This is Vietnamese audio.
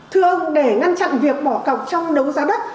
thưa ông để ngăn chặn việc bỏ cọc trong đấu giá đất